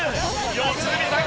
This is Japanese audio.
良純さん